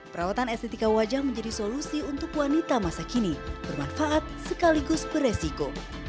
perawatan estetika wajah menjadi solusi untuk wanita masa kini bermanfaat sekaligus beresiko